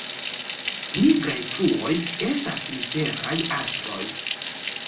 Nigraj truoj estas misteraj astroj